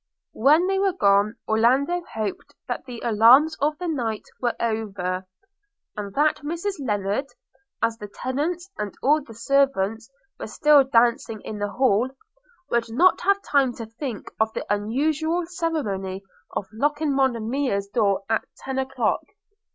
When they were gone, Orlando hoped that the alarms of the night were over, and that Mrs Lennard, as the tenants and all the servants were still dancing in the hall, would not have time to think of the usual ceremony of locking Monimia's door at ten o'clock.